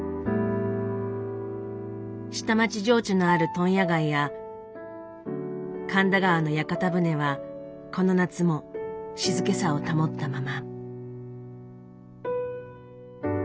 下町情緒のある問屋街や神田川の屋形船はこの夏も静けさを保ったまま。